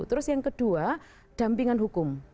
terus yang kedua dampingan hukum